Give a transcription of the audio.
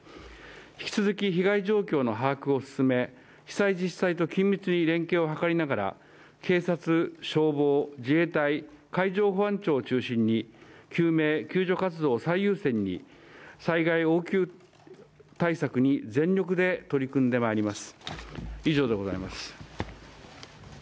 引き続き被害状況の把握を進め被災自治体と緊密に連携を図りながら警察、消防、自衛隊、海上保安庁を中心に救命・救助活動を最優先に災害応急対策に全力で取り組んでまいります。